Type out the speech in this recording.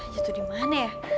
jatuh dimana ya